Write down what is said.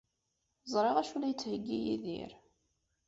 Ẓriɣ d acu ay la d-yettheyyi Yidir.